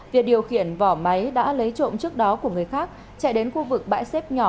việc điều khiển vỏ máy đã lấy trộm trước đó của người khác chạy đến khu vực bãi xếp nhỏ